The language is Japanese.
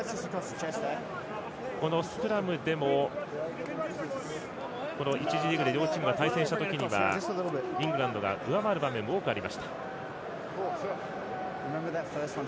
このスクラムでも、１次リーグで両チームが対戦した時にはイングランドが上回る場面が多くありました。